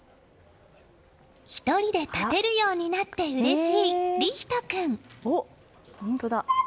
１人で立てるようになってうれしい理仁君。